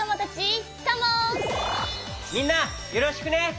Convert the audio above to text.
みんなよろしくね。